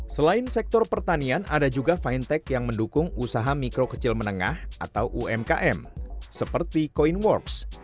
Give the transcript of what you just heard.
selain sektor pertanian ada juga fintech yang mendukung usaha mikro kecil menengah atau umkm seperti coinworks